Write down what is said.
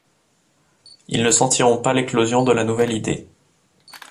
Ils ne sentiront pas l'éclosion de la nouvelle idée.